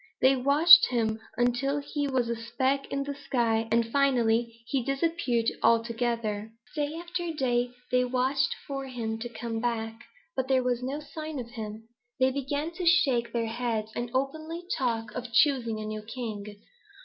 They watched him until he was a speck in the sky, and finally he disappeared altogether. "Day after day they watched for him to come back, but there was no sign of him; they began to shake their heads and openly talk of choosing a new king.